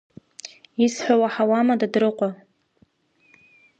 Исҳәо уаҳауама Дадрыҟәа!